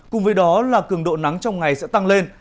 cùng với đó là cường độ nắng trong ngày sẽ tăng lên